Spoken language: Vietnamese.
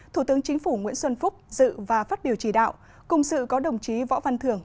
thủ tướng chính phủ nguyễn xuân phúc dự và phát biểu chỉ đạo cùng sự có đồng chí võ văn thưởng